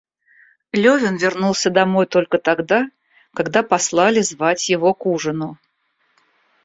Левин вернулся домой только тогда, когда послали звать его к ужину.